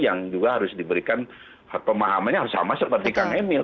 yang juga harus diberikan pemahamannya harus sama seperti kang emil